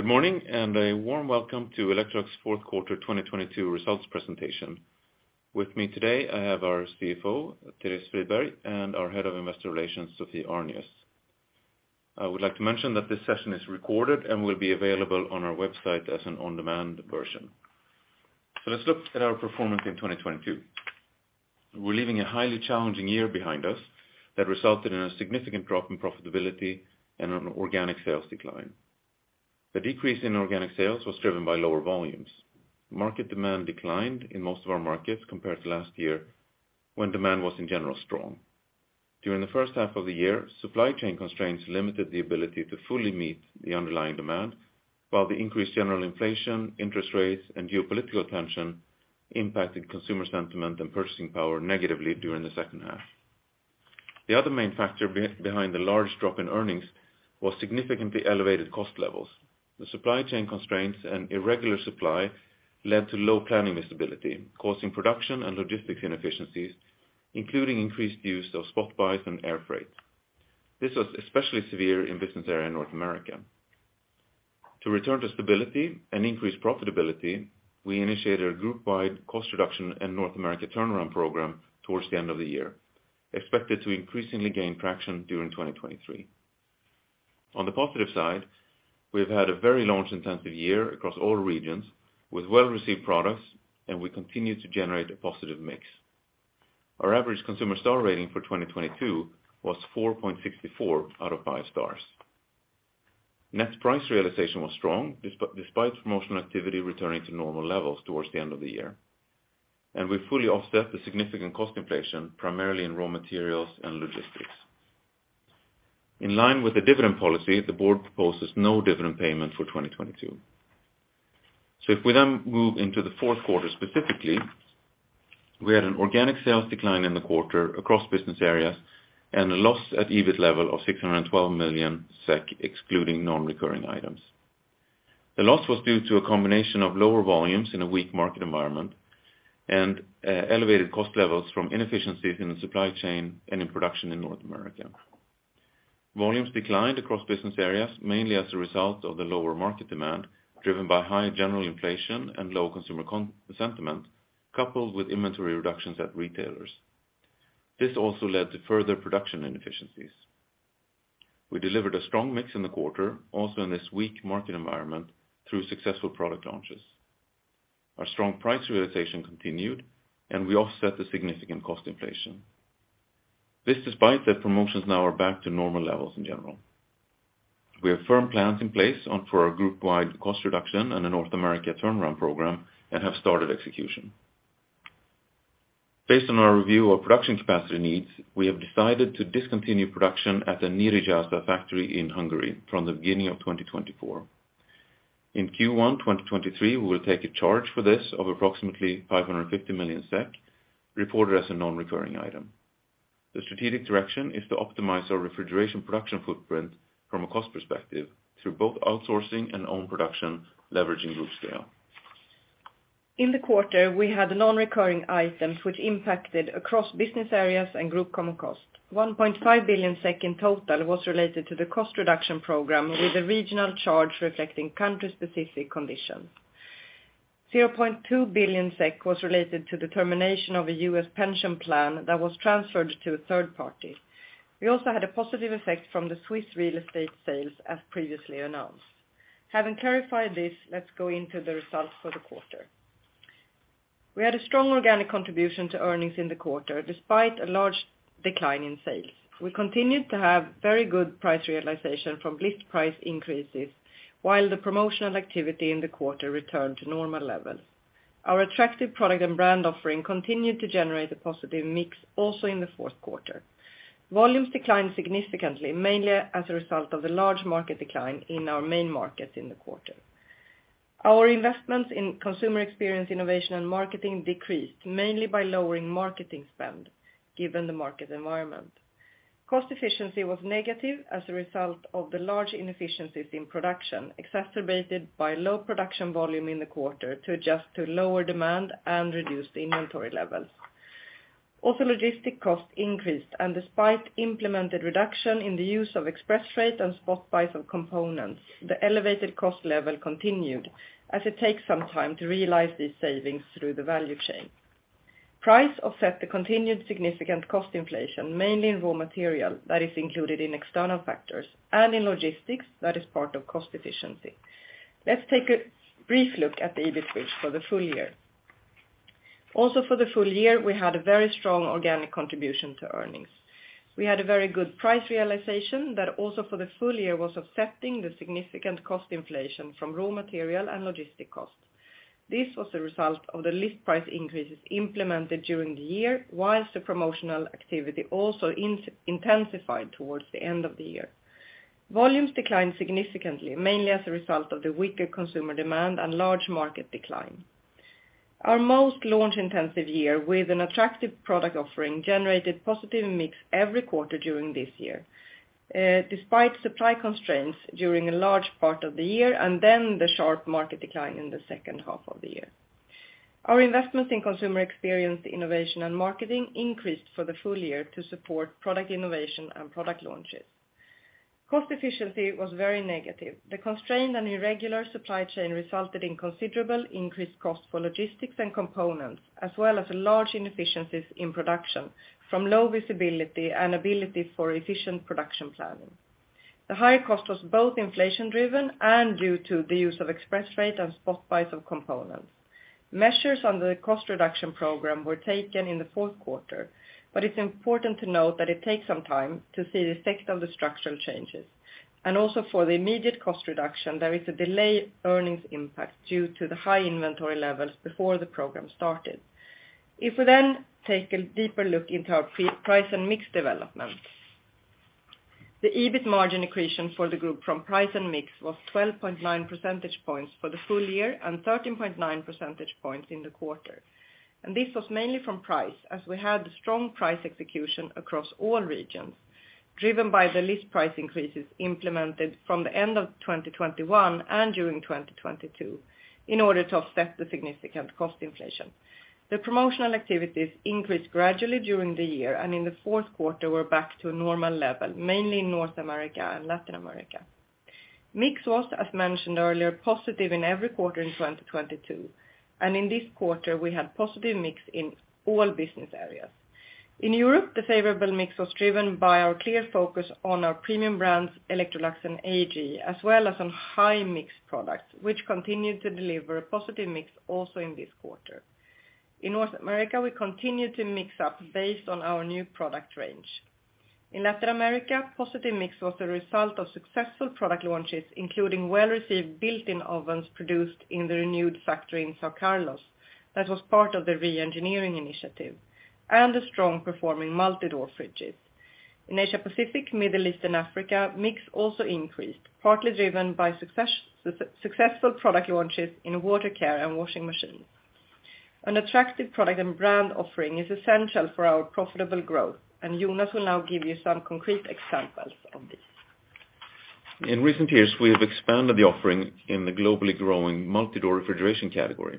Good morning and a warm welcome to Electrolux fourth quarter 2022 results presentation. With me today, I have our CFO, Therese Friberg, and our head of investor relations, Sophie Arnius. I would like to mention that this session is recorded and will be available on our website as an on-demand version. Let's look at our performance in 2022. We're leaving a highly challenging year behind us that resulted in a significant drop in profitability and an organic sales decline. The decrease in organic sales was driven by lower volumes. Market demand declined in most of our markets compared to last year, when demand was in general strong. During the first half of the year, supply chain constraints limited the ability to fully meet the underlying demand, while the increased general inflation, interest rates, and geopolitical tension impacted consumer sentiment and purchasing power negatively during the second half. The other main factor behind the large drop in earnings was significantly elevated cost levels. The supply chain constraints and irregular supply led to low planning visibility, causing production and logistics inefficiencies, including increased use of spot buys and air freight. This was especially severe in business area in North America. To return to stability and increase profitability, we initiated a group-wide cost reduction in North America turnaround program towards the end of the year, expected to increasingly gain traction during 2023. On the positive side, we've had a very launch intensive year across all regions with well-received products. We continue to generate a positive mix. Our average consumer star rating for 2022 was 4.64 out of five stars. Net price realization was strong, despite promotional activity returning to normal levels towards the end of the year. We fully offset the significant cost inflation, primarily in raw materials and logistics. In line with the dividend policy, the board proposes no dividend payment for 2022. If we then move into the fourth quarter, specifically, we had an organic sales decline in the quarter across business areas and a loss at EBIT level of 612 million SEK, excluding non-recurring items. The loss was due to a combination of lower volumes in a weak market environment and elevated cost levels from inefficiencies in the supply chain and in production in North America. Volumes declined across business areas, mainly as a result of the lower market demand, driven by high general inflation and low consumer sentiment, coupled with inventory reductions at retailers. This also led to further production inefficiencies. We delivered a strong mix in the quarter, also in this weak market environment through successful product launches. Our strong price realization continued. We offset the significant cost inflation. This despite that promotions now are back to normal levels in general. We have firm plans in place on for our group-wide cost reduction and a North America turnaround program and have started execution. Based on our review of production capacity needs, we have decided to discontinue production at the Nyíregyháza factory in Hungary from the beginning of 2024. In Q1 2023, we will take a charge for this of approximately 550 million SEK, reported as a non-recurring item. The strategic direction is to optimize our refrigeration production footprint from a cost perspective through both outsourcing and own production, leveraging group scale. In the quarter, we had non-recurring items which impacted across business areas and group common cost. 1.5 billion SEK in total was related to the cost reduction program with a regional charge reflecting country specific conditions. 0.2 billion SEK was related to the termination of a U.S. pension plan that was transferred to a third party. We also had a positive effect from the Swiss real estate sales as previously announced. Having clarified this, let's go into the results for the quarter. We had a strong organic contribution to earnings in the quarter, despite a large decline in sales. We continued to have very good price realization from list price increases, while the promotional activity in the quarter returned to normal levels. Our attractive product and brand offering continued to generate a positive mix also in the fourth quarter. Volumes declined significantly, mainly as a result of the large market decline in our main markets in the quarter. Our investments in consumer experience, innovation, and marketing decreased mainly by lowering marketing spend, given the market environment. Cost efficiency was negative as a result of the large inefficiencies in production, exacerbated by low production volume in the quarter to adjust to lower demand and reduce the inventory levels. Logistic costs increased, and despite implemented reduction in the use of express freight and spot buys of components, the elevated cost level continued as it takes some time to realize these savings through the value chain. Price offset the continued significant cost inflation, mainly in raw material that is included in external factors and in logistics that is part of cost efficiency. Let's take a brief look at the EBIT bridge for the full year. For the full year, we had a very strong organic contribution to earnings. We had a very good price realization that also for the full year was offsetting the significant cost inflation from raw material and logistic costs. This was a result of the list price increases implemented during the year, whilst the promotional activity also intensified towards the end of the year. Volumes declined significantly, mainly as a result of the weaker consumer demand and large market decline. Our most launch intensive year with an attractive product offering generated positive mix every quarter during this year, despite supply constraints during a large part of the year and then the sharp market decline in the second half of the year. Our investments in consumer experience, innovation, and marketing increased for the full year to support product innovation and product launches. Cost efficiency was very negative. The constrained and irregular supply chain resulted in considerable increased cost for logistics and components, as well as large inefficiencies in production from low visibility and ability for efficient production planning. The high cost was both inflation driven and due to the use of express freight and spot buys of components. Measures under the cost reduction program were taken in the fourth quarter, but it's important to note that it takes some time to see the effect of the structural changes. Also for the immediate cost reduction, there is a delay earnings impact due to the high inventory levels before the program started. If we then take a deeper look into our pre-price and mix development. The EBIT margin equation for the group from price and mix was 12.9 percentage points for the full year and 13.9 percentage points in the quarter. This was mainly from price, as we had strong price execution across all regions, driven by the list price increases implemented from the end of 2021 and during 2022 in order to offset the significant cost inflation. The promotional activities increased gradually during the year, and in the fourth quarter were back to a normal level, mainly in North America and Latin America. Mix was, as mentioned earlier, positive in every quarter in 2022, and in this quarter, we had positive mix in all business areas. In Europe, the favorable mix was driven by our clear focus on our premium brands, Electrolux and AEG, as well as on high mix products, which continued to deliver a positive mix also in this quarter. In North America, we continued to mix up based on our new product range. In Latin America, positive mix was a result of successful product launches, including well-received built-in ovens produced in the renewed factory in São Carlos that was part of the re-engineering initiative, and the strong performing multi-door fridges. In Asia Pacific, Middle East, and Africa, mix also increased, partly driven by successful product launches in Water Care and washing machines. An attractive product and brand offering is essential for our profitable growth. Jonas will now give you some concrete examples of this. In recent years, we have expanded the offering in the globally growing multi-door refrigeration category.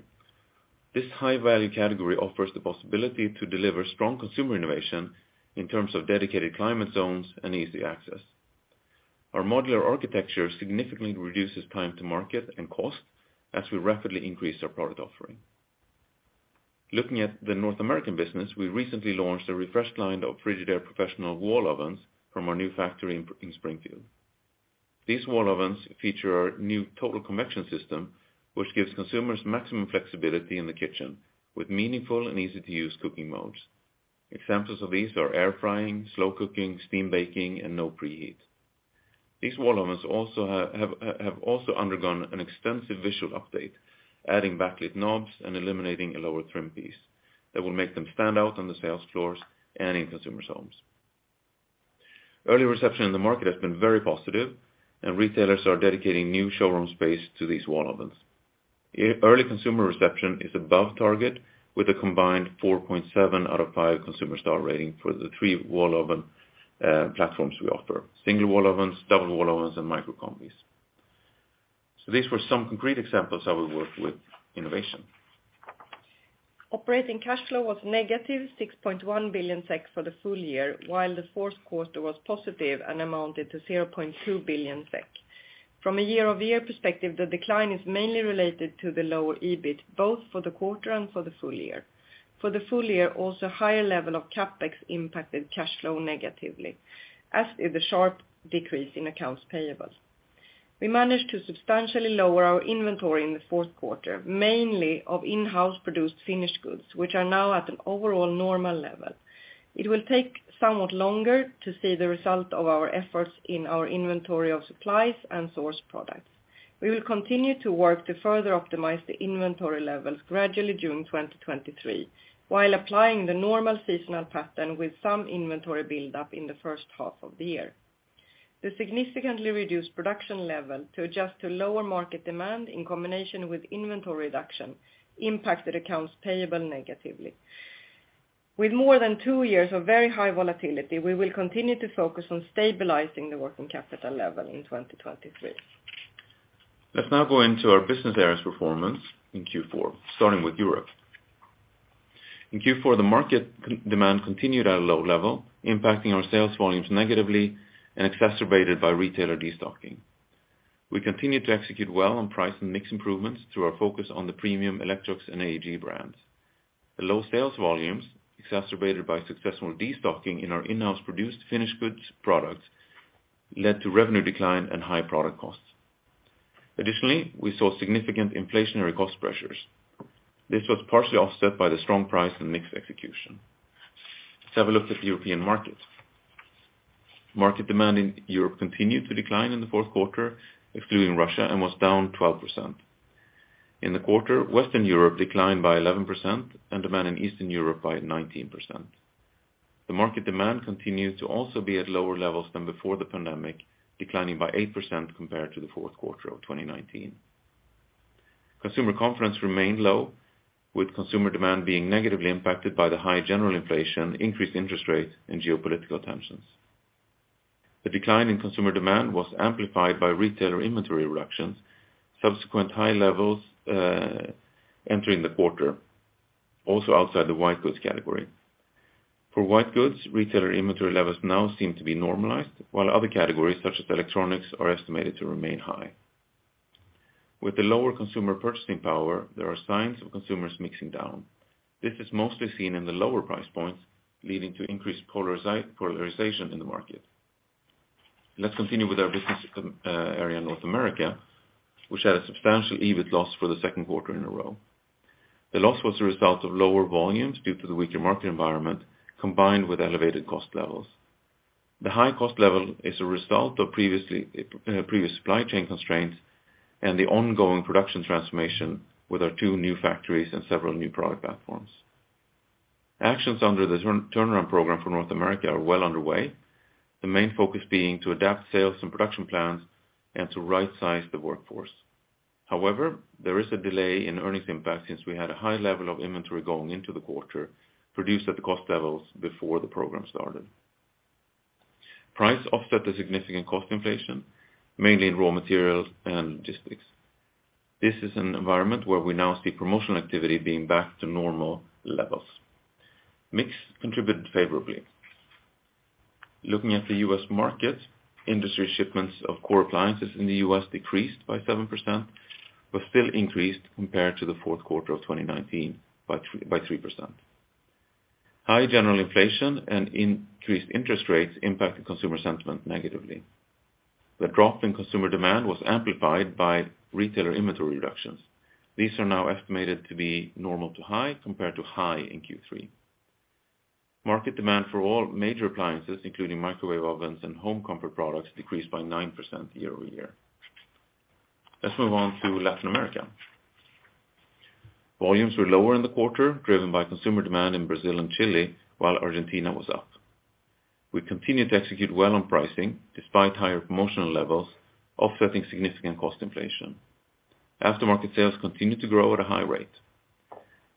This high value category offers the possibility to deliver strong consumer innovation in terms of dedicated climate zones and easy access. Our modular architecture significantly reduces time to market and cost as we rapidly increase our product offering. Looking at the North American business, we recently launched a refreshed line of Frigidaire professional wall ovens from our new factory in Springfield. These wall ovens feature our new Total Convection system, which gives consumers maximum flexibility in the kitchen with meaningful and easy-to-use cooking modes. Examples of these are air frying, slow cooking, steam baking, and no preheat. These wall ovens also have also undergone an extensive visual update, adding backlit knobs and eliminating a lower trim piece that will make them stand out on the sales floors and in consumers' homes. Early reception in the market has been very positive, and retailers are dedicating new showroom space to these wall ovens. Early consumer reception is above target with a combined 4.7 out of 5 consumer star rating for the three wall oven platforms we offer: single wall ovens, double wall ovens, and micro-combis. These were some concrete examples how we work with innovation. Operating cash flow was negative 6.1 billion SEK for the full year, while the fourth quarter was positive and amounted to 0.2 billion SEK. From a year-over-year perspective, the decline is mainly related to the lower EBIT, both for the quarter and for the full year. For the full year, also higher level of CapEx impacted cash flow negatively, as did the sharp decrease in accounts payable. We managed to substantially lower our inventory in the fourth quarter, mainly of in-house produced finished goods, which are now at an overall normal level. It will take somewhat longer to see the result of our efforts in our inventory of supplies and sourced products. We will continue to work to further optimize the inventory levels gradually during 2023, while applying the normal seasonal pattern with some inventory buildup in the first half of the year. The significantly reduced production level to adjust to lower market demand in combination with inventory reduction impacted accounts payable negatively. With more than two years of very high volatility, we will continue to focus on stabilizing the working capital level in 2023. Let's now go into our business areas performance in Q4, starting with Europe. In Q4, the market demand continued at a low level, impacting our sales volumes negatively and exacerbated by retailer destocking. We continued to execute well on price and mix improvements through our focus on the premium Electrolux and AEG brands. The low sales volumes, exacerbated by successful destocking in our in-house produced finished goods products, led to revenue decline and high product costs. We saw significant inflationary cost pressures. This was partially offset by the strong price and mix execution. Let's have a look at the European market. Market demand in Europe continued to decline in the fourth quarter, excluding Russia, and was down 12%. Western Europe declined by 11% and demand in Eastern Europe by 19%. The market demand continued to also be at lower levels than before the pandemic, declining by 8% compared to the fourth quarter of 2019. Consumer confidence remained low, with consumer demand being negatively impacted by the high general inflation, increased interest rates, and geopolitical tensions. The decline in consumer demand was amplified by retailer inventory reductions, subsequent high levels entering the quarter, also outside the white goods category. For white goods, retailer inventory levels now seem to be normalized, while other categories, such as electronics, are estimated to remain high. With the lower consumer purchasing power, there are signs of consumers mixing down. This is mostly seen in the lower price points, leading to increased polarization in the market. Let's continue with our business area, North America, which had a substantial EBIT loss for the second quarter in a row. The loss was a result of lower volumes due to the weaker market environment, combined with elevated cost levels. The high cost level is a result of previous supply chain constraints and the ongoing production transformation with our two new factories and several new product platforms. Actions under the turnaround program for North America are well underway, the main focus being to adapt sales and production plans and to right size the workforce. There is a delay in earnings impact since we had a high level of inventory going into the quarter, produced at the cost levels before the program started. Price offset the significant cost inflation, mainly in raw materials and logistics. This is an environment where we now see promotional activity being back to normal levels. Mix contributed favorably. Looking at the U.S. market, industry shipments of core appliances in the U.S. decreased by 7%. Still increased compared to the fourth quarter of 2019 by 3%. High general inflation and increased interest rates impacted consumer sentiment negatively. The drop in consumer demand was amplified by retailer inventory reductions. These are now estimated to be normal to high compared to high in Q3. Market demand for all major appliances, including microwave ovens and home comfort products, decreased by 9% year-over-year. Let's move on to Latin America. Volumes were lower in the quarter, driven by consumer demand in Brazil and Chile, while Argentina was up. We continued to execute well on pricing despite higher promotional levels, offsetting significant cost inflation. Aftermarket sales continued to grow at a high rate.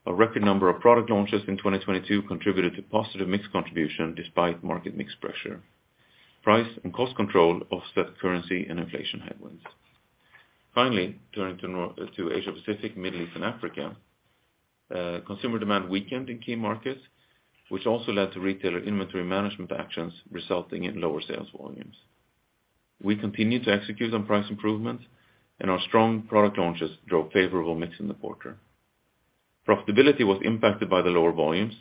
A record number of product launches in 2022 contributed to positive mix contribution despite market mix pressure. Price and cost control offset currency and inflation headwinds. Turning to Asia Pacific, Middle East, and Africa, consumer demand weakened in key markets, which also led to retailer inventory management actions resulting in lower sales volumes. We continued to execute on price improvements, and our strong product launches drove favorable mix in the quarter. Profitability was impacted by the lower volumes,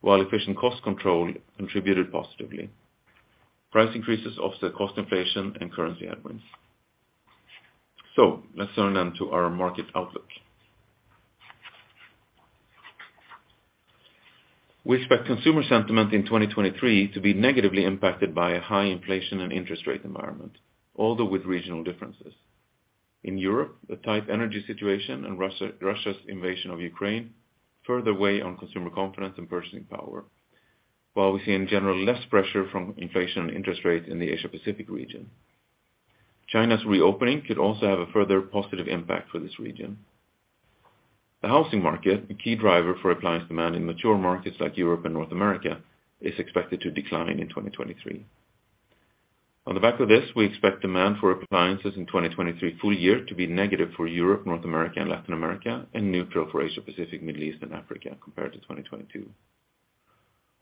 while efficient cost control contributed positively. Price increases offset cost inflation and currency headwinds. Let's turn then to our market outlook. We expect consumer sentiment in 2023 to be negatively impacted by a high inflation and interest rate environment, although with regional differences. In Europe, the tight energy situation and Russia's invasion of Ukraine further weigh on consumer confidence and purchasing power. We see in general less pressure from inflation and interest rates in the Asia Pacific region. China's reopening could also have a further positive impact for this region. The housing market, a key driver for appliance demand in mature markets like Europe and North America, is expected to decline in 2023. On the back of this, we expect demand for appliances in 2023 full year to be negative for Europe, North America, and Latin America, and neutral for Asia Pacific, Middle East, and Africa compared to 2022.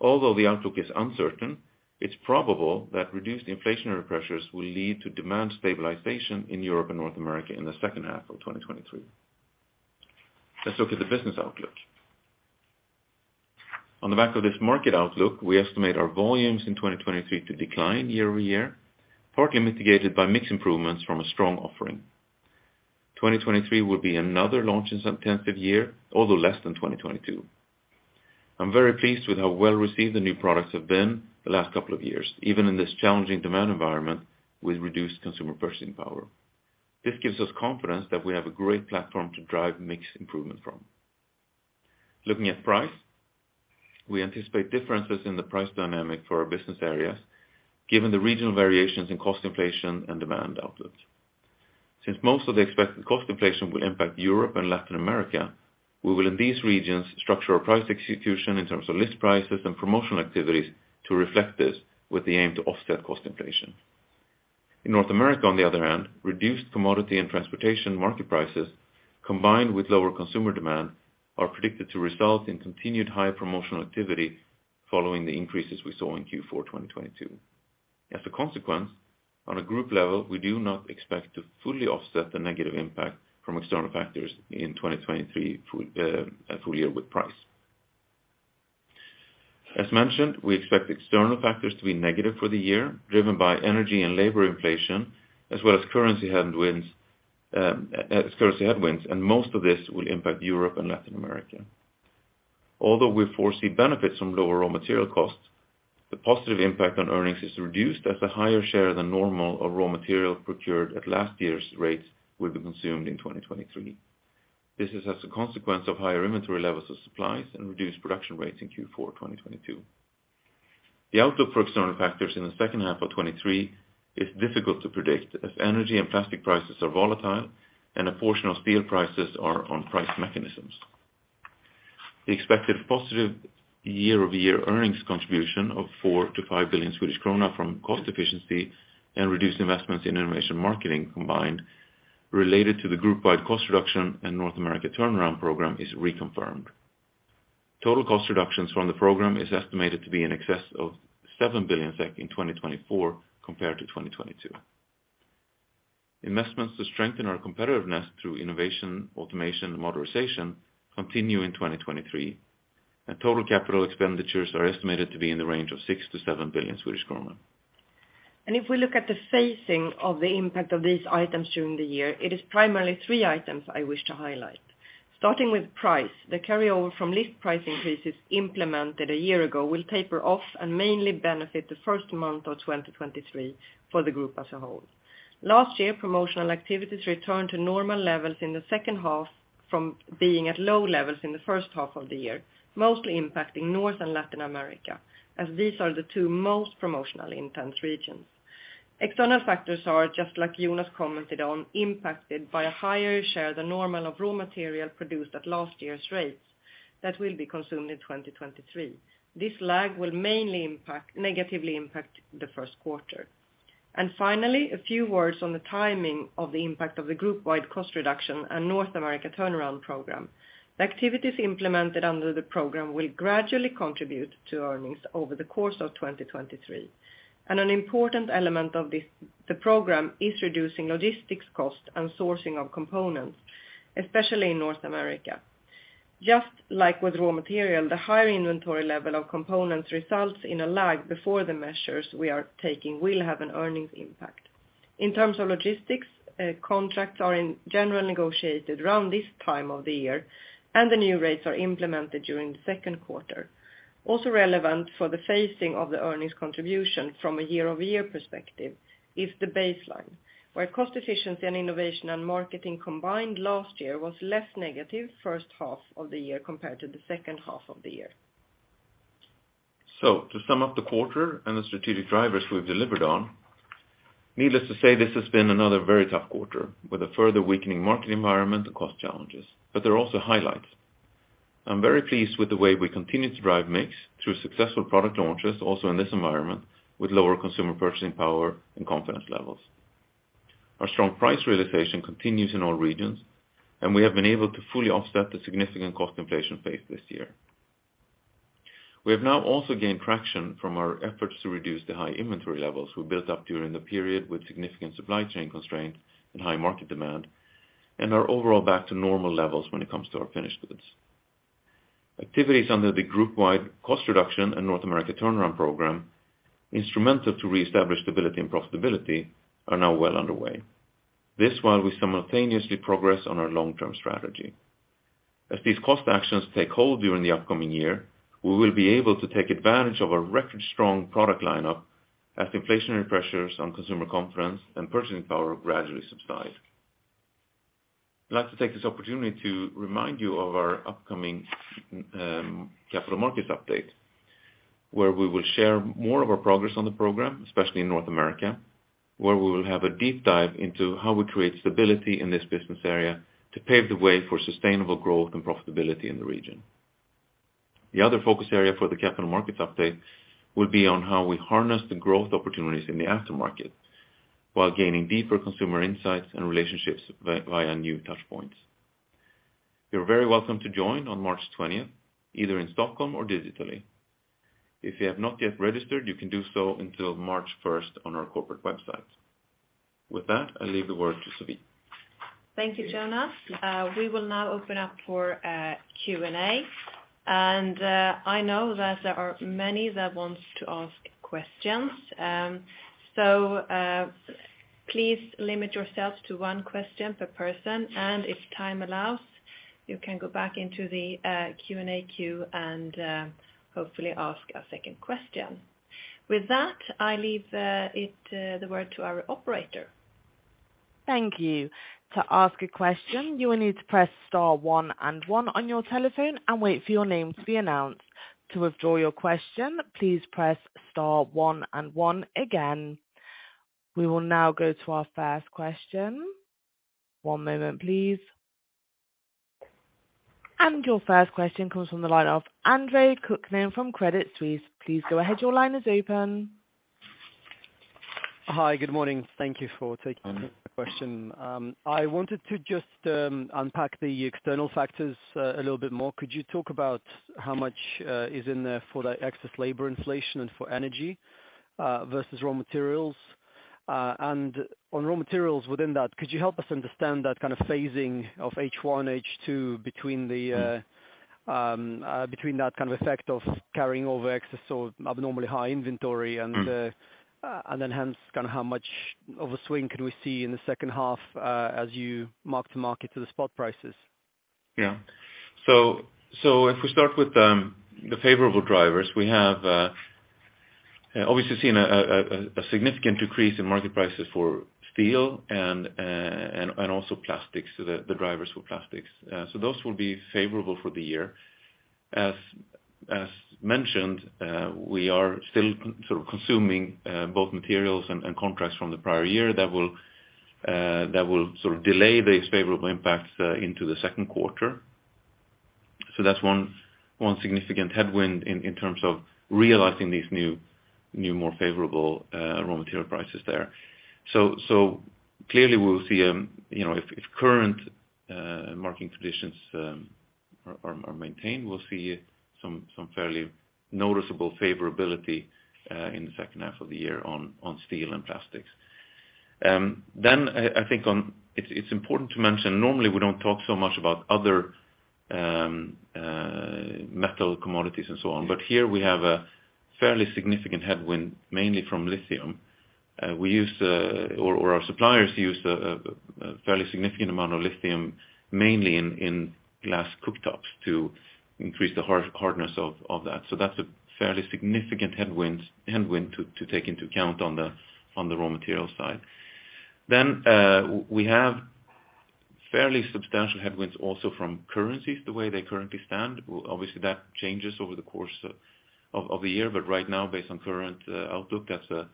The outlook is uncertain, it's probable that reduced inflationary pressures will lead to demand stabilization in Europe and North America in the second half of 2023. Let's look at the business outlook. On the back of this market outlook, we estimate our volumes in 2023 to decline year-over-year, partly mitigated by mix improvements from a strong offering. 2023 will be another launch intensive year, although less than 2022. I'm very pleased with how well received the new products have been the last couple of years, even in this challenging demand environment with reduced consumer purchasing power. This gives us confidence that we have a great platform to drive mix improvement from. Looking at price, we anticipate differences in the price dynamic for our business areas, given the regional variations in cost inflation and demand outlook. Since most of the expected cost inflation will impact Europe and Latin America, we will in these regions structure our price execution in terms of list prices and promotional activities to reflect this with the aim to offset cost inflation. In North America, on the other hand, reduced commodity and transportation market prices, combined with lower consumer demand, are predicted to result in continued high promotional activity following the increases we saw in Q4 2022. As a consequence, on a group level, we do not expect to fully offset the negative impact from external factors in 2023 full year with price. As mentioned, we expect external factors to be negative for the year, driven by energy and labor inflation, as well as currency headwinds. Most of this will impact Europe and Latin America. Although we foresee benefits from lower raw material costs, the positive impact on earnings is reduced as a higher share than normal of raw material procured at last year's rates will be consumed in 2023. This is as a consequence of higher inventory levels of supplies and reduced production rates in Q4 2022. The outlook for external factors in the second half of 2023 is difficult to predict as energy and plastic prices are volatile and a portion of steel prices are on price mechanisms. We expect a positive year-over-year earnings contribution of 4 billion-5 billion Swedish krona from cost efficiency and reduced investments in innovation marketing combined, related to the group-wide cost reduction and North America turnaround program is reconfirmed. Total cost reductions from the program is estimated to be in excess of 7 billion SEK in 2024 compared to 2022. Investments to strengthen our competitiveness through innovation, automation, and modernization continue in 2023, and total capital expenditures are estimated to be in the range of 6 billion-7 billion Swedish kronor. If we look at the phasing of the impact of these items during the year, it is primarily three items I wish to highlight. Starting with price, the carryover from list price increases implemented a year ago will taper off and mainly benefit the first month of 2023 for the group as a whole. Last year, promotional activities returned to normal levels in the second half from being at low levels in the first half of the year, mostly impacting North and Latin America, as these are the two most promotionally intense regions. External factors are just like Jonas commented on, impacted by a higher share than normal of raw material produced at last year's rates that will be consumed in 2023. This lag will mainly negatively impact the first quarter. Finally, a few words on the timing of the impact of the group-wide cost reduction and North America turnaround program. The activities implemented under the program will gradually contribute to earnings over the course of 2023. An important element of this, the program is reducing logistics cost and sourcing of components, especially in North America. Just like with raw material, the higher inventory level of components results in a lag before the measures we are taking will have an earnings impact. In terms of logistics, contracts are in general negotiated around this time of the year, and the new rates are implemented during the 2Q. Also relevant for the phasing of the earnings contribution from a year-over-year perspective is the baseline, where cost efficiency and innovation and marketing combined last year was less negative first half of the year compared to the second half of the year. To sum up the quarter and the strategic drivers we've delivered on, needless to say, this has been another very tough quarter with a further weakening market environment and cost challenges, but there are also highlights. I'm very pleased with the way we continue to drive mix through successful product launches, also in this environment, with lower consumer purchasing power and confidence levels. Our strong price realization continues in all regions, and we have been able to fully offset the significant cost inflation phase this year. We have now also gained traction from our efforts to reduce the high inventory levels we built up during the period with significant supply chain constraints and high market demand, and are overall back to normal levels when it comes to our finished goods. Activities under the group-wide cost reduction and North America turnaround program, instrumental to reestablish stability and profitability, are now well underway. This while we simultaneously progress on our long-term strategy. As these cost actions take hold during the upcoming year, we will be able to take advantage of a record-strong product lineup as inflationary pressures on consumer confidence and purchasing power gradually subside. I'd like to take this opportunity to remind you of our upcoming Capital Markets Update, where we will share more of our progress on the program, especially in North America, where we will have a deep dive into how we create stability in this business area to pave the way for sustainable growth and profitability in the region. The other focus area for the Capital Markets Update will be on how we harness the growth opportunities in the aftermarket while gaining deeper consumer insights and relationships via new touchpoints. You're very welcome to join on March 20th, either in Stockholm or digitally. If you have not yet registered, you can do so until March 1st on our corporate website. With that, I leave the word to Sophie. Thank you, Jonas. We will now open up for a Q&A. I know that there are many that wants to ask questions. Please limit yourselves to one question per person. If time allows, you can go back into the Q&A queue and hopefully ask a second question. With that, I leave it the word to our operator. Thank you. To ask a question, you will need to press star one and one on your telephone and wait for your name to be announced. To withdraw your question, please press star one and one again. We will now go to our first question. One moment, please. Your first question comes from the line of Andre Kukhnin from Credit Suisse. Please go ahead. Your line is open. Hi, good morning. Thank you for taking my question. I wanted to just unpack the external factors a little bit more. Could you talk about how much is in there for the excess labor inflation and for energy versus raw materials? And on raw materials within that, could you help us understand that kind of phasing of H one, H two between that kind of effect of carrying over excess or abnormally high inventory and then hence kind of how much of a swing could we see in the second half as you mark-to-market to the spot prices? If we start with the favorable drivers, we have obviously seen a significant decrease in market prices for steel and also plastics, the drivers for plastics. Those will be favorable for the year. As mentioned, we are still sort of consuming both materials and contracts from the prior year that will sort of delay these favorable impacts into the second quarter. That's one significant headwind in terms of realizing these new more favorable raw material prices there. Clearly we'll see, you know, if current marketing conditions are maintained, we'll see some fairly noticeable favorability in the second half of the year on steel and plastics. I think it's important to mention, normally we don't talk so much about other metal commodities and so on. Here we have a fairly significant headwind mainly from lithium. We use, or our suppliers use a fairly significant amount of lithium mainly in glass cooktops to increase the hardness of that. That's a fairly significant headwind to take into account on the raw material side. We have fairly substantial headwinds also from currencies the way they currently stand. Obviously that changes over the course of the year, but right now based on current outlook, that's a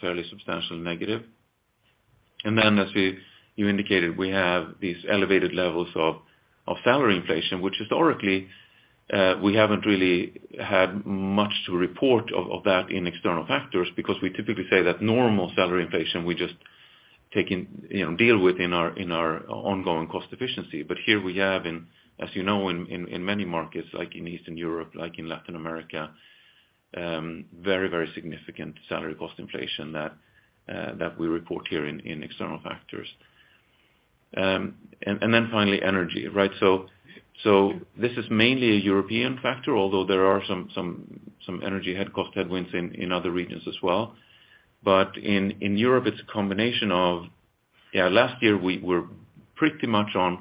fairly substantial negative. Then as we, you indicated, we have these elevated levels of salary inflation, which historically, we haven't really had much to report of that in external factors because we typically say that normal salary inflation, we just take in, you know, deal with in our ongoing cost efficiency. Here we have, as you know, in many markets like in Eastern Europe, like in Latin America, very significant salary cost inflation that we report here in external factors. Then finally energy, right? This is mainly a European factor, although there are some energy headwinds in other regions as well. In Europe, it's a combination of last year we were pretty much on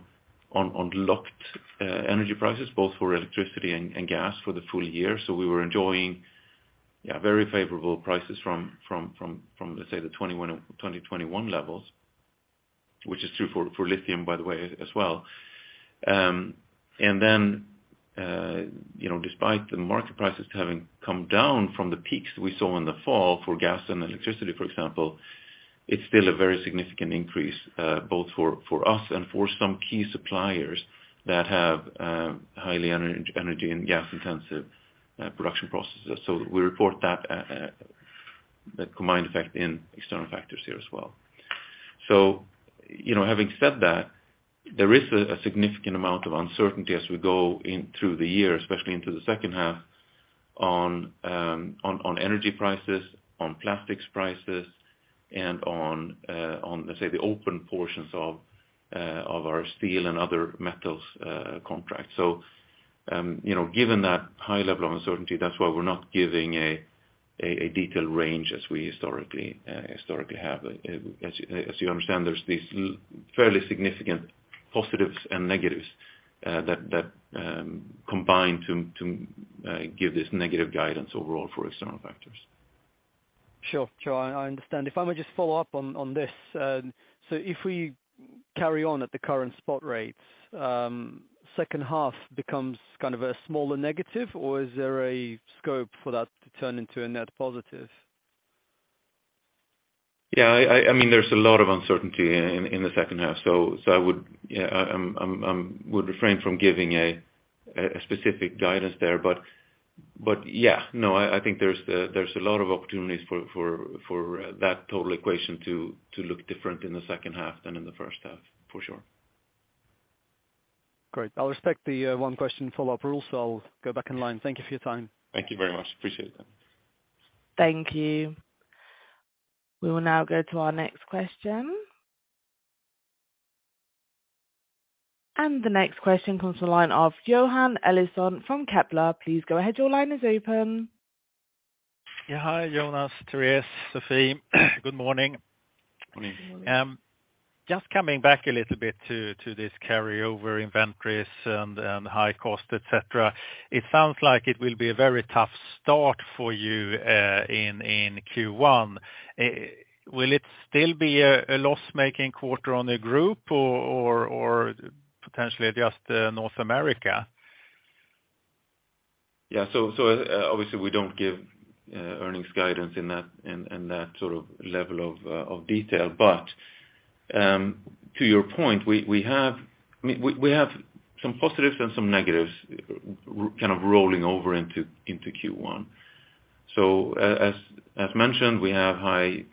locked energy prices, both for electricity and gas for the full year. We were enjoying,, very favorable prices from let's say the 2021 levels, which is true for lithium by the way as well. You know, despite the market prices having come down from the peaks we saw in the fall for gas and electricity, for example, it's still a very significant increase for us and for some key suppliers that have highly energy and gas intensive production processes. We report that combined effect in external factors here as well you know, having said that, there is a significant amount of uncertainty as we go in through the year, especially into the second half on energy prices, on plastics prices, and on let's say the open portions of our steel and other metals contracts. you know, given that high level of uncertainty, that's why we're not giving a detailed range as we historically have. As you understand, there's these fairly significant positives and negatives that combine to give this negative guidance overall for external factors. Sure. I understand. If I may just follow up on this. If we carry on at the current spot rates, second half becomes kind of a smaller negative, or is there a scope for that to turn into a net positive? I mean there's a lot of uncertainty in the second half. I would,, I would refrain from giving a specific guidance there, but, no, I think there's a lot of opportunities for that total equation to look different in the second half than in the first half, for sure. Great. I'll respect the 1 question follow-up rule, so I'll go back in line. Thank you for your time. Thank you very much. Appreciate it. Thank you. We will now go to our next question. The next question comes to the line of Johan Eliason from Kepler. Please go ahead, your line is open. Hi, Jonas, Therese, Sophie. Good morning. Good morning. Just coming back a little bit to this carryover inventories and high cost, et cetera. It sounds like it will be a very tough start for you in Q1. Will it still be a loss making quarter on the group or, or potentially just North America? Obviously we don't give earnings guidance in that sort of level of detail. To your point, we have some positives and some negatives kind of rolling over into Q1. As mentioned, we have high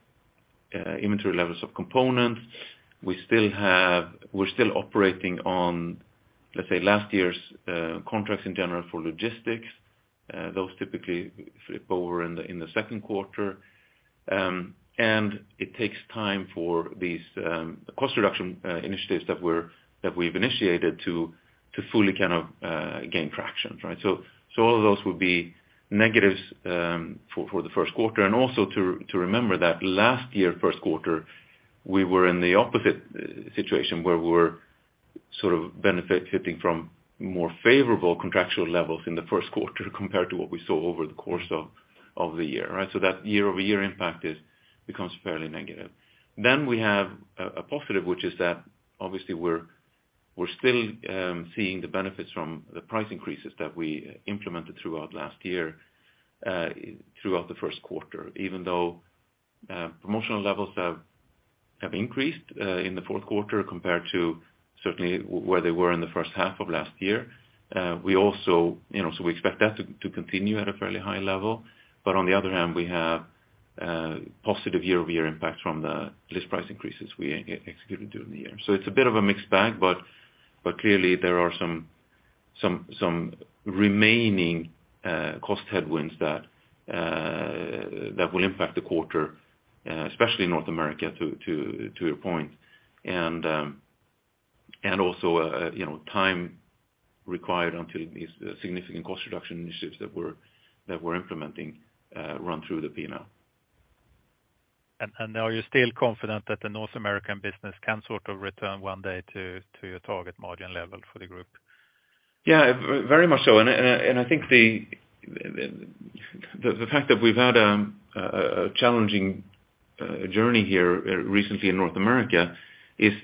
inventory levels of components. We're still operating on, let's say, last year's contracts in general for logistics. Those typically flip over in the second quarter. It takes time for these cost reduction initiatives that we've initiated to fully kind of gain traction, right? All of those will be negatives for the first quarter. Also to remember that last year first quarter we were in the opposite situation where we're sort of benefit hitting from more favorable contractual levels in the first quarter compared to what we saw over the course of the year, right? That year-over-year impact becomes fairly negative. We have a positive, which is that obviously we're still seeing the benefits from the price increases that we implemented throughout last year, throughout the first quarter, even though promotional levels have increased in the fourth quarter compared to certainly where they were in the first half of last year. We also, you know, we expect that to continue at a fairly high level. On the other hand, we have positive year-over-year impact from the list price increases we executed during the year. It's a bit of a mixed bag, but clearly there are some remaining cost headwinds that will impact the quarter, especially in North America to your point. Also, you know, time required until these significant cost reduction initiatives that we're implementing, run through the P&L. Are you still confident that the North American business can sort of return one day to your target margin level for the group? Very much so, and I think the fact that we've had a challenging journey here recently in North America is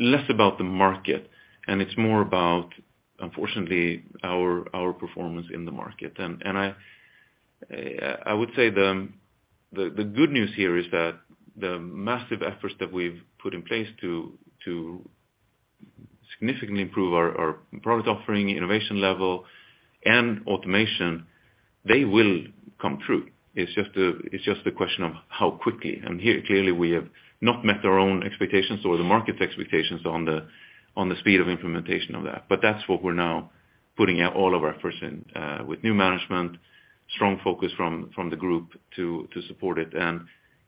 less about the market, and it's more about, unfortunately, our performance in the market. I would say the good news here is that the massive efforts that we've put in place to significantly improve our product offering, innovation level, and automation, they will come through. It's just a question of how quickly. Here, clearly we have not met our own expectations or the market's expectations on the speed of implementation of that. That's what we're now putting out all of our efforts in with new management, strong focus from the group to support it.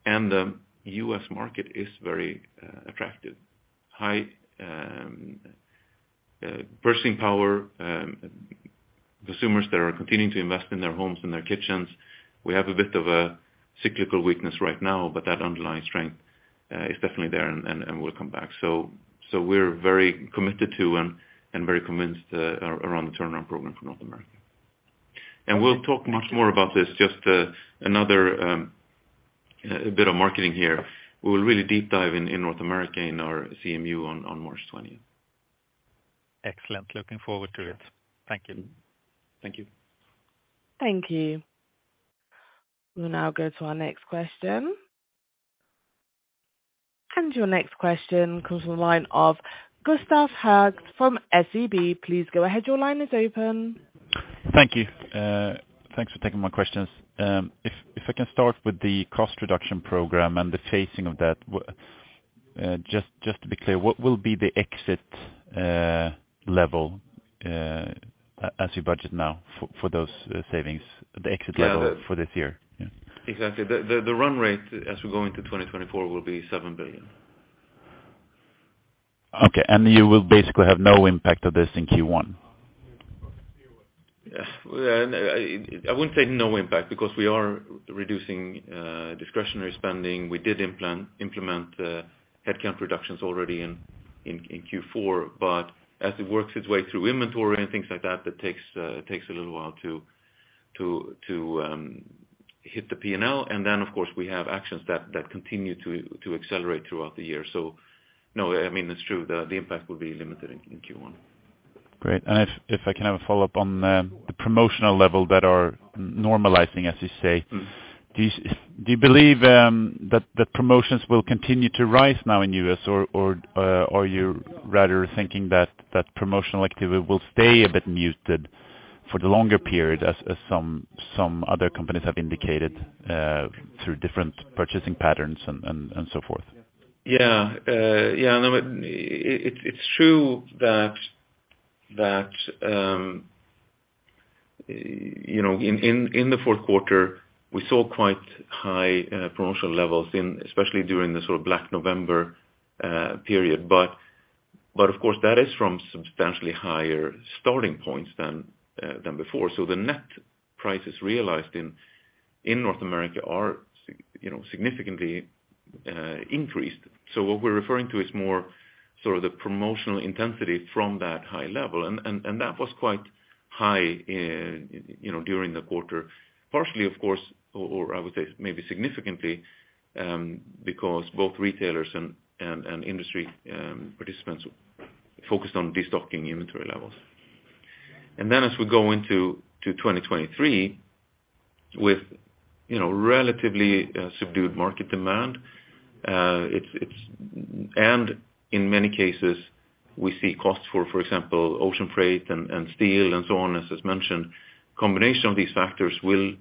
The U.S. market is very attractive. High purchasing power, consumers that are continuing to invest in their homes and their kitchens. We have a bit of a cyclical weakness right now, but that underlying strength is definitely there and will come back. We're very committed to and very convinced around the turnaround program for North America. We'll talk much more about this, just another bit of marketing here. We will really deep dive in North America in our CMU on March 20th. Excellent. Looking forward to it. Thank you. Thank you. Thank you. We'll now go to our next question. Your next question comes from the line of Gustav Hagéus from SEB. Please go ahead. Your line is open. Thank you. Thanks for taking my questions. If I can start with the cost reduction program and the phasing of that. Just to be clear, what will be the exit level, as you budget now for those savings? for this year?. Exactly. The run rate as we go into 2024 will be 7 billion. Okay. You will basically have no impact of this in Q1? Yes. Well, I wouldn't say no impact because we are reducing discretionary spending. We did implement headcount reductions already in Q4. As it works its way through inventory and things like that takes a little while to hit the P&L. Of course, we have actions that continue to accelerate throughout the year. No, I mean, it's true, the impact will be limited in Q1. Great. If I can have a follow-up on the promotional level that are normalizing, as you say.o you believe that promotions will continue to rise now in U.S., or are you rather thinking that promotional activity will stay a bit muted for the longer period as some other companies have indicated through different purchasing patterns and so forth? No, it's true that, you know, in the fourth quarter we saw quite high promotional levels in, especially during the sort of Black November period. Of course, that is from substantially higher starting points than before. The net prices realized in North America are, you know, significantly increased. What we're referring to is more sort of the promotional intensity from that high level. That was quite high, you know, during the quarter. Partially, of course, or I would say maybe significantly, because both retailers and industry participants focused on destocking inventory levels. As we go into 2023 with, you know, relatively subdued market demand, and in many cases we see costs for example, ocean freight and steel and so on, as mentioned. Combination of these factors will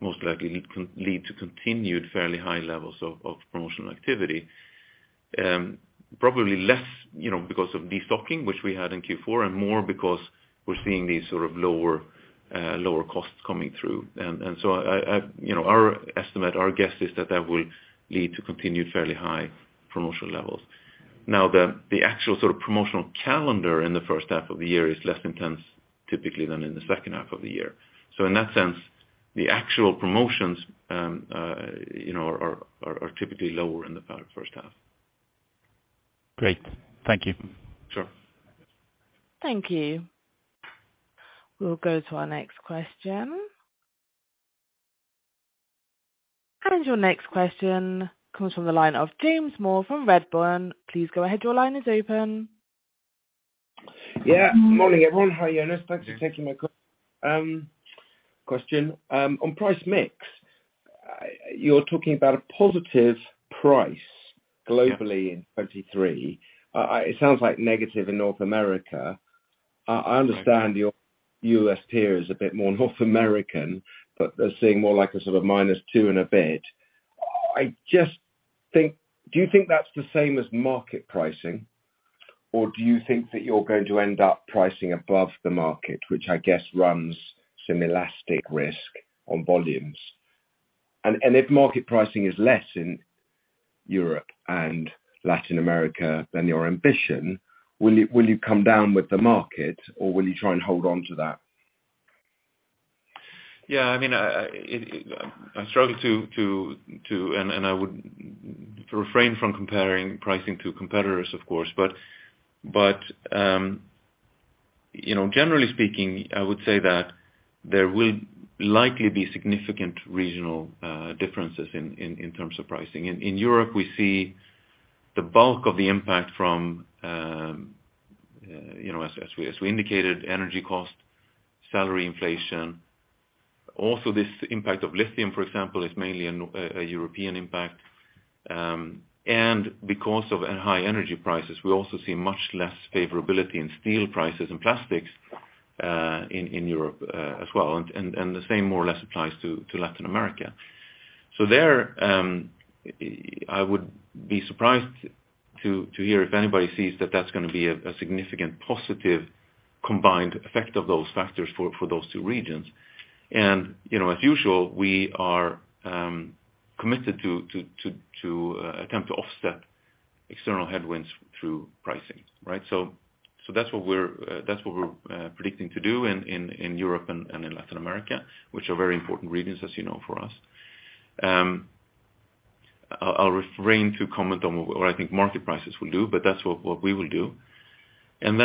most likely lead to continued fairly high levels of promotional activity. Probably less, you know, because of destocking, which we had in Q4, and more because we're seeing these sort of lower costs coming through. You know, our estimate, our guess is that that will lead to continued fairly high promotional levels. The actual sort of promotional calendar in the first half of the year is less intense typically than in the second half of the year. In that sense, the actual promotions, you know, are typically lower in the first half. Great. Thank you. Sure. Thank you. We'll go to our next question. Your next question comes from the line of James Moore from Redburn. Please go ahead. Your line is open. Morning, everyone. Hi, Jonas. Thanks for taking my call, question. On price mix, you're talking about a positive price globally in 2023. It sounds like negative in North America. I understand your US tier is a bit more North American, but they're seeing more like a sort of -2 and a bit. Do you think that's the same as market pricing, or do you think that you're going to end up pricing above the market, which I guess runs some elastic risk on volumes? If market pricing is less in Europe and Latin America than your ambition, will you come down with the market, or will you try and hold on to that? I mean, I struggle to. I would refrain from comparing pricing to competitors, of course. You know, generally speaking, I would say that there will likely be significant regional differences in terms of pricing. In Europe, we see the bulk of the impact from, you know, as we indicated, energy cost, salary inflation. Also, this impact of lithium, for example, is mainly a European impact. Because of high energy prices, we also see much less favorability in steel prices and plastics in Europe as well. The same more or less applies to Latin America. There, I would be surprised to hear if anybody sees that that's gonna be a significant positive combined effect of those factors for those two regions. You know, as usual, we are committed to attempt to offset external headwinds through pricing, right? That's what we're predicting to do in Europe and in Latin America, which are very important regions, as you know, for us. I'll refrain to comment on what I think market prices will do, but that's what we will do. In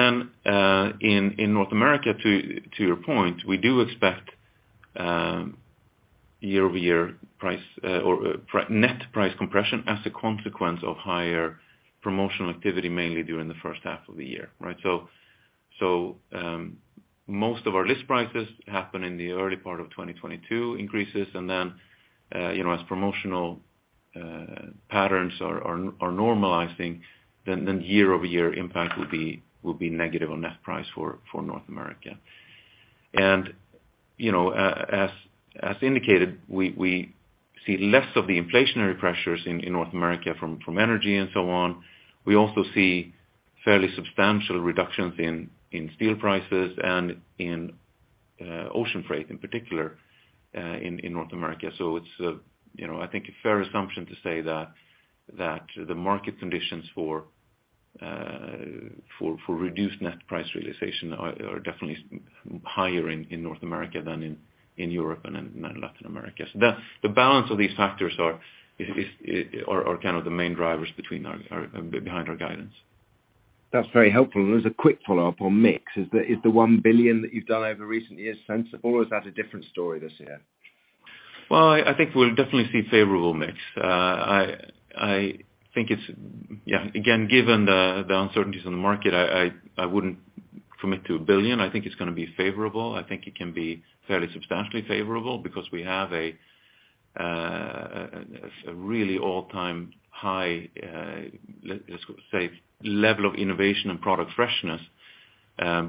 North America, to your point, we do expect year-over-year price or net price compression as a consequence of higher promotional activity, mainly during the first half of the year, right? Most of our list prices happen in the early part of 2022 increases, then, you know, as promotional patterns are normalizing, then year-over-year impact will be negative on net price for North America. You know, as indicated, we see less of the inflationary pressures in North America from energy and so on. We also see fairly substantial reductions in steel prices and in ocean freight, in particular, in North America. It's, you know, I think a fair assumption to say that the market conditions for reduced net price realization are definitely higher in North America than in Europe and in Latin America. The balance of these factors are kind of the main drivers behind our guidance. That's very helpful. As a quick follow-up on mix, is the 1 billion that you've done over recent years sensible, or is that a different story this year? Well, I think we'll definitely see favorable mix. I think it's again, given the uncertainties in the market, I wouldn't commit to 1 billion. I think it's gonna be favorable. I think it can be fairly substantially favorable because we have a really all-time high, let's say level of innovation and product freshness,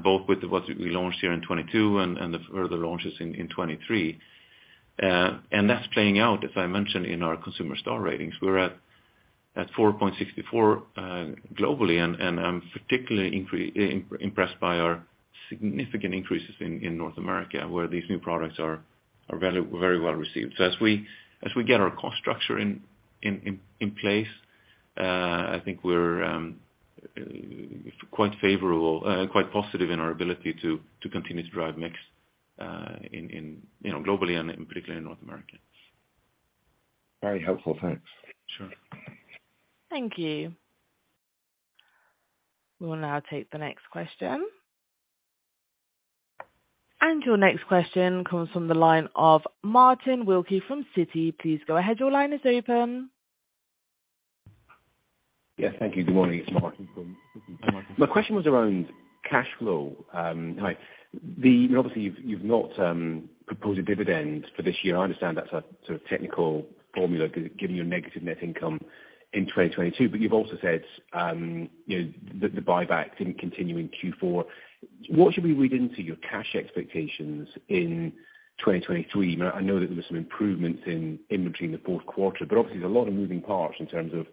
both with what we launched here in 2022 and the further launches in 2023. That's playing out, as I mentioned, in our consumer star ratings. We're at 4.64 globally, and I'm particularly impressed by our significant increases in North America, where these new products are very, very well received. As we get our cost structure in place, I think we're quite favorable, quite positive in our ability to continue to drive mix, in, you know, globally and particularly in North America. Very helpful. Thanks. Sure. Thank you. We'll now take the next question. Your next question comes from the line of Martin Wilkie from Citi. Please go ahead. Your line is open. Yes, thank you. Good morning. It's Martin from Citi. My question was around cash flow. Obviously you've not proposed a dividend for this year. I understand that's a sort of technical formula giving you a negative net income in 2022. You've also said, you know, the buyback didn't continue in Q4. What should we read into your cash expectations in 2023? I know that there was some improvements in inventory in the fourth quarter, but obviously there's a lot of moving parts in terms of,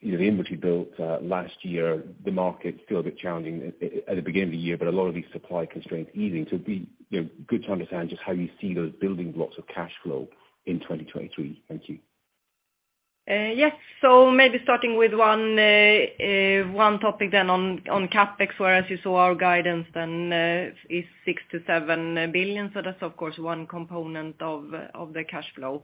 you know, the inventory built last year. The market's still a bit challenging at the beginning of the year, but a lot of these supply constraints easing. It'd be, you know, good to understand just how you see those building blocks of cash flow in 2023. Thank you. Yes. Maybe starting with one topic then on CapEx, where as you saw our guidance then, is 6 billion-7 billion. That's of course one component of the cash flow.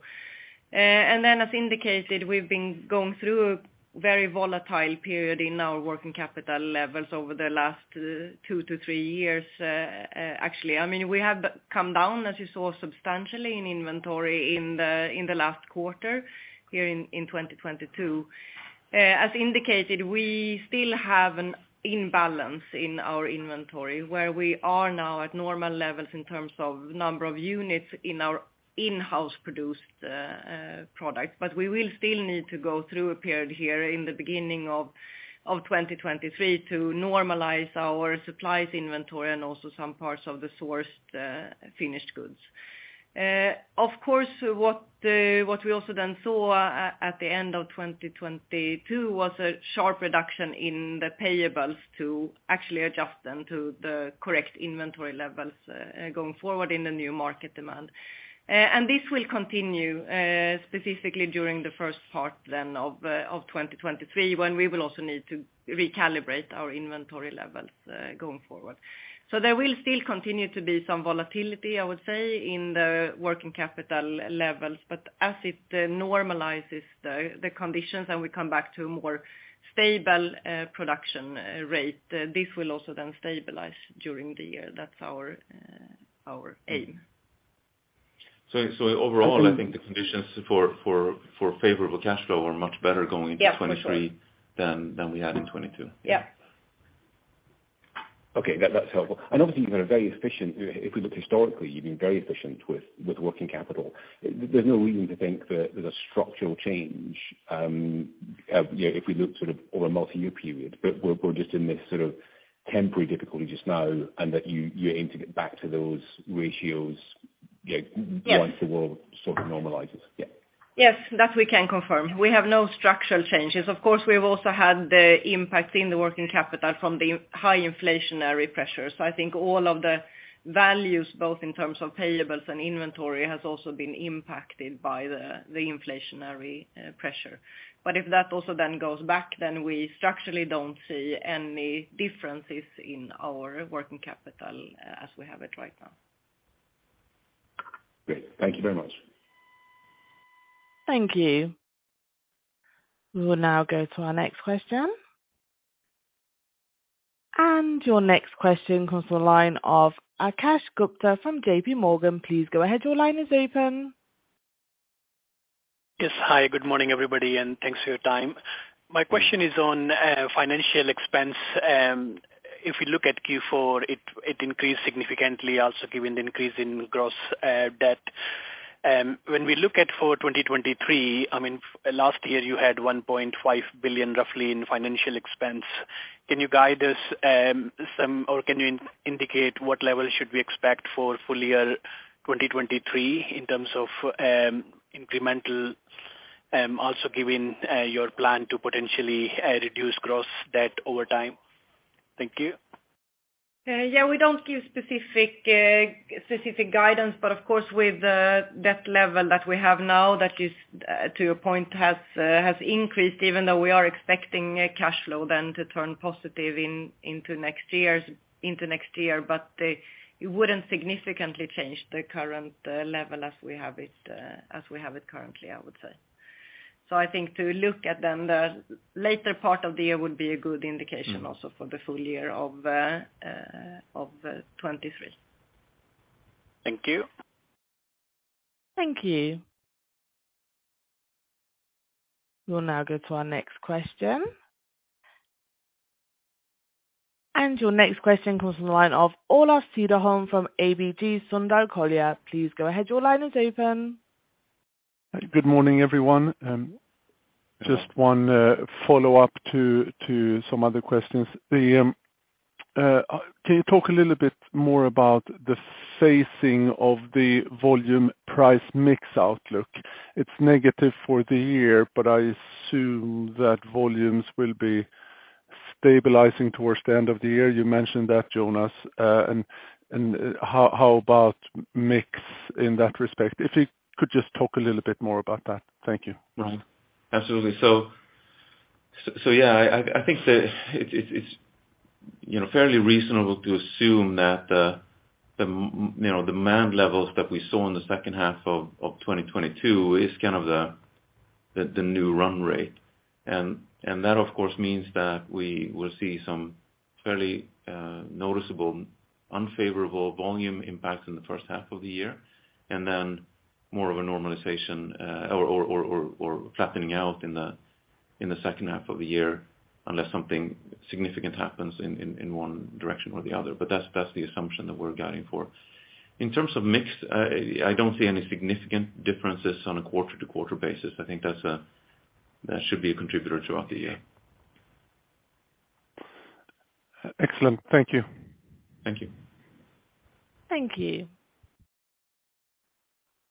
As indicated, we've been going through a very volatile period in our working capital levels over the last two to three years, actually. I mean, we have come down, as you saw, substantially in inventory in the last quarter here in 2022. As indicated, we still have an imbalance in our inventory where we are now at normal levels in terms of number of units in our in-house produced products. We will still need to go through a period here in the beginning of 2023 to normalize our supplies inventory and also some parts of the sourced finished goods. Of course, what we also then saw at the end of 2022 was a sharp reduction in the payables to actually adjust them to the correct inventory levels, going forward in the new market demand. This will continue, specifically during the first part then of 2023, when we will also need to recalibrate our inventory levels, going forward. There will still continue to be some volatility, I would say, in the working capital levels. As it normalizes the conditions and we come back to a more stable, production rate, this will also then stabilize during the year. That's our aim. Overall, I think the conditions for favorable cash flow are much better going into 2023. Yes, for sure. than we had in 2022. Okay. That's helpful. Obviously you've been very efficient. If we look historically, you've been very efficient with working capital. There's no reason to think that there's a structural change, if we look sort of over a multi-year period. We're just in this sort of temporary difficulty just now and that you aim to get back to those ratios once the world sort of normalizes.. Yes. That we can confirm. We have no structural changes. Of course, we've also had the impact in the working capital from the high inflationary pressures. I think all of the values, both in terms of payables and inventory, has also been impacted by the inflationary pressure. If that also then goes back, then we structurally don't see any differences in our working capital as we have it right now. Great. Thank you very much. Thank you. We will now go to our next question. Your next question comes to the line of Akash Gupta from J.P. Morgan. Please go ahead. Your line is open. Yes. Hi, good morning, everybody, thanks for your time. My question is on financial expense. If we look at Q4, it increased significantly also given the increase in gross debt. When we look at for 2023, I mean, last year you had 1.5 billion roughly in financial expense. Can you guide us some or can you indicate what level should we expect for full year 2023 in terms of incremental, also given your plan to potentially reduce gross debt over time? Thank you. We don't give specific guidance, but of course, with the debt level that we have now, that is, to your point, has increased even though we are expecting cash flow then to turn positive in, into next year. It wouldn't significantly change the current level as we have it currently, I would say. I think to look at then the later part of the year would be a good indication also for the full year of 2023. Thank you. Thank you. We'll now go to our next question. Your next question comes from the line of Olof Cederholm from ABG Sundal Collier. Please go ahead. Your line is open. Good morning, everyone. Just one follow-up to some other questions. Can you talk a little bit more about the phasing of the volume price mix outlook? It's negative for the year, but I assume that volumes will be stabilizing towards the end of the year. You mentioned that, Jonas. How about mix in that respect? If you could just talk a little bit more about that. Thank you. Absolutely. I think that it's, you know, fairly reasonable to assume that, you know, demand levels that we saw in the second half of 2022 is kind of the new run rate. That of course means that we will see some fairly noticeable unfavorable volume impact in the first half of the year and then more of a normalization, or flattening out in the second half of the year, unless something significant happens in one direction or the other. That's the assumption that we're guiding for. In terms of mix, I don't see any significant differences on a quarter-to-quarter basis. I think that should be a contributor throughout the year. Excellent. Thank you. Thank you. Thank you.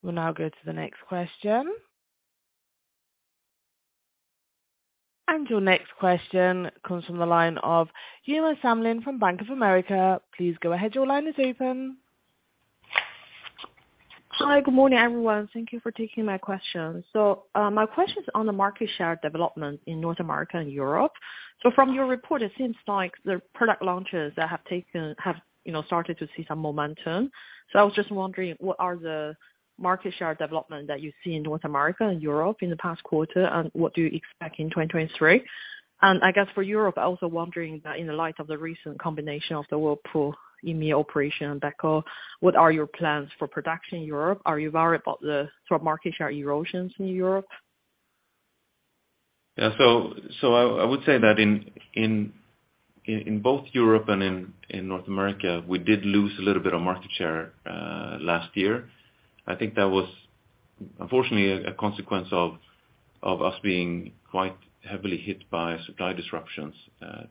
We'll now go to the next question. Your next question comes from the line of Uma Samlin from Bank of America. Please go ahead. Your line is open. Hi. Good morning, everyone. Thank Thank you for taking my question. My question is on the market share development in North America and Europe. From your report, it seems like the product launches that have taken, you know, started to see some momentum. I was just wondering, what are the market share development that you see in North America and Europe in the past quarter, and what do you expect in 2023? I guess for Europe, I was also wondering that in the light of the recent combination of the Whirlpool EMEA operation Beko, what are your plans for production in Europe? Are you worried about the market share erosions in Europe? I would say that in both Europe and in North America, we did lose a little bit of market share last year. I think that was unfortunately a consequence of us being quite heavily hit by supply disruptions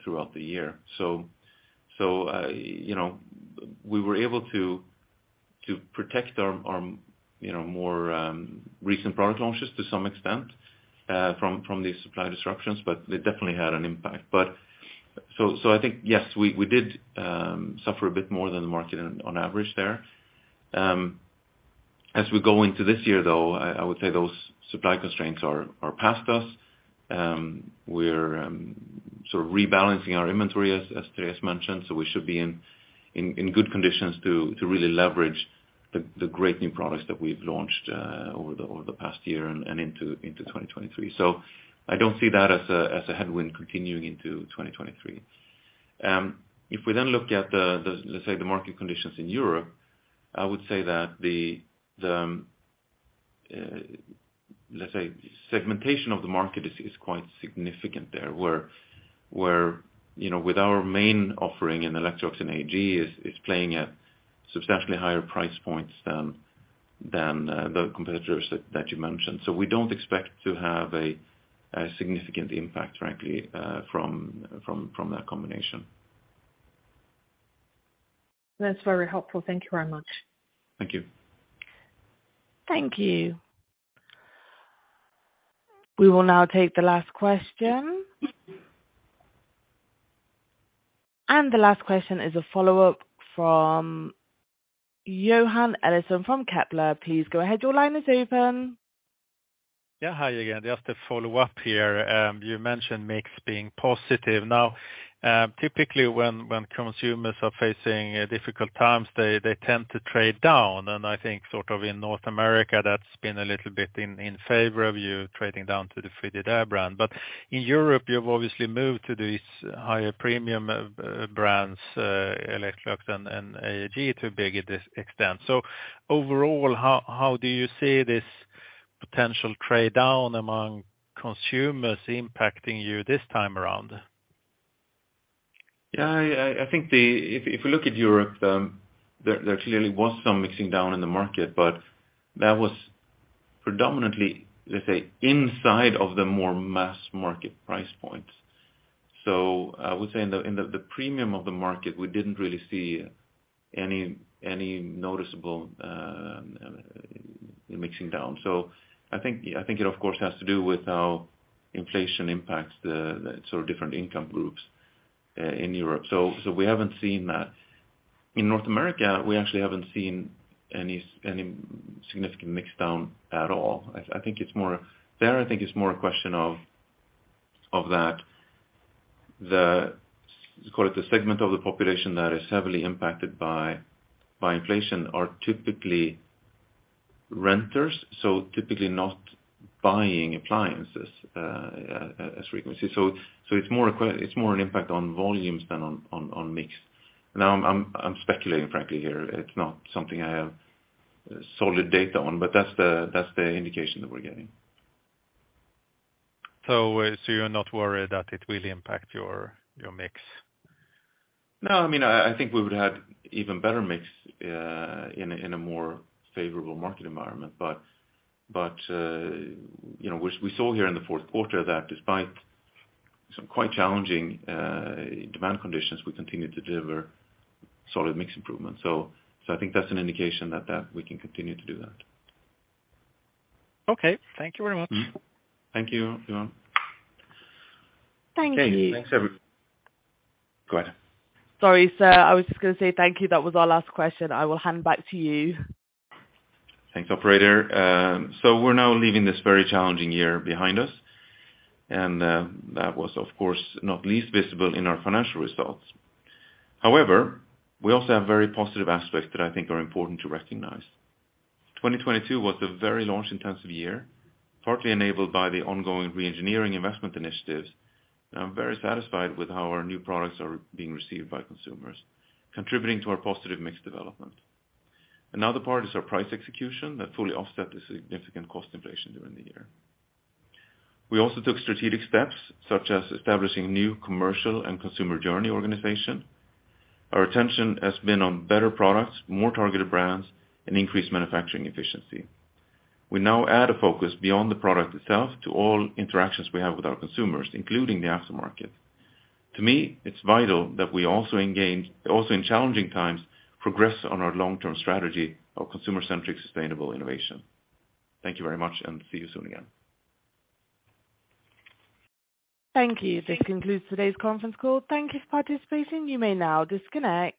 throughout the year. You know, we were able to protect our, you know, more recent product launches to some extent from these supply disruptions, but they definitely had an impact. I think, yes, we did suffer a bit more than the market on average there. As we go into this year though, I would say those supply constraints are past us. We're sort of rebalancing our inventory, as Therese mentioned, so we should be in good conditions to really leverage the great new products that we've launched over the past year and into 2023. I don't see that as a headwind continuing into 2023. If we look at the, let's say, the market conditions in Europe, I would say that the, let's say segmentation of the market is quite significant there, where, you know, with our main offering in Electrolux and AEG is playing at substantially higher price points than the competitors that you mentioned. We don't expect to have a significant impact, frankly, from that combination. That's very helpful. Thank you very much. Thank you. Thank you. We will now take the last question. The last question is a follow-up from Johan Eliason from Kepler. Please go ahead. Your line is open. Hi again. Just a follow-up here. You mentioned mix being positive. Typically when consumers are facing difficult times, they tend to trade down. I think sort of in North America that's been a little bit in favor of you trading down to the Frigidaire brand. In Europe, you've obviously moved to these higher premium brands, Electrolux and AEG to a bigger extent. Overall, how do you see this potential trade-down among consumers impacting you this time around? I think the. If we look at Europe, there clearly was some mixing down in the market, but that was predominantly, let's say, inside of the more mass market price points. I would say in the premium of the market, we didn't really see any noticeable mixing down. I think it of course has to do with how inflation impacts the sort of different income groups in Europe. We haven't seen that. In North America, we actually haven't seen any significant mix down at all. I think it's more. There, I think it's more a question of that the, call it the segment of the population that is heavily impacted by inflation are typically renters, so typically not buying appliances as frequency. It's more an impact on volumes than on mix. Now I'm speculating, frankly, here. It's not something I have solid data on, but that's the indication that we're getting. You're not worried that it will impact your mix? No. I mean, I think we would have even better mix in a more favorable market environment. You know, we saw here in the fourth quarter that despite some quite challenging demand conditions, we continued to deliver solid mix improvement. I think that's an indication that we can continue to do that. Okay. Thank you very much. Thank you, Johan. Thank you. Okay. Thanks. Go ahead. Sorry, sir. I was just gonna say thank you. That was our last question. I will hand back to you. Thanks, operator. We're now leaving this very challenging year behind us, that was of course not least visible in our financial results. We also have very positive aspects that I think are important to recognize. 2022 was a very launch-intensive year, partly enabled by the ongoing reengineering investment initiatives. I'm very satisfied with how our new products are being received by consumers, contributing to our positive mix development. Another part is our price execution that fully offset the significant cost inflation during the year. We also took strategic steps, such as establishing new commercial and consumer journey organization. Our attention has been on better products, more targeted brands, and increased manufacturing efficiency. We now add a focus beyond the product itself to all interactions we have with our consumers, including the aftermarket. To me, it's vital that we also engage, also in challenging times, progress on our long-term strategy of consumer-centric sustainable innovation. Thank you very much, and see you soon again. Thank you. This concludes today's conference call. Thank you for participating. You may now disconnect.